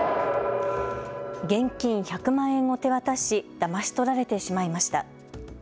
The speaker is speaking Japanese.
現金１００万円を手渡しだまし取られてしまいました。